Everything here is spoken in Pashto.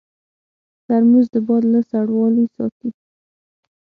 ترموز د باد له سړوالي ساتي.